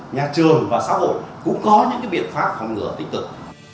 nhà trường và xã hội cũng có những biện pháp phòng ngừa tích cực